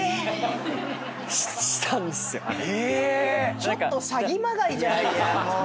ちょっと詐欺まがいじゃない？